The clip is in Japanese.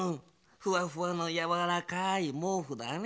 ふわふわのやわらかいもうふだね。